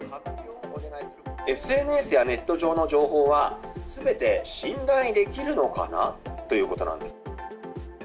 ＳＮＳやネット上の情報は、すべて信頼できるのかなということなんです。